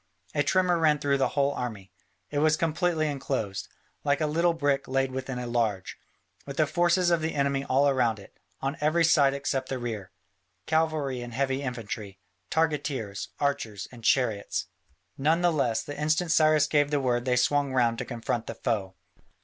A tremor ran through the whole army; it was completely enclosed, like a little brick laid within a large, with the forces of the enemy all round it, on every side except the rear, cavalry and heavy infantry, targeteers, archers, and chariots. None the less, the instant Cyrus gave the word they swung round to confront the foe.